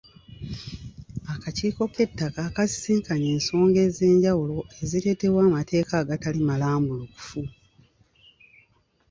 Akakiiko k'ettaka kasisinkanye ensonga ez'enjawulo ezireetebwa amateeka agatali malambulukufu.